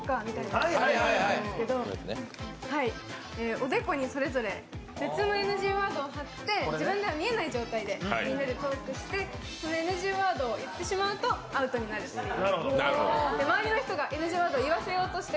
おでこにそれぞれ別のＮＧワードを貼って自分では見えない状態でみんなでトークしてそのＮＧワードを言ってしまうとアウトになるという。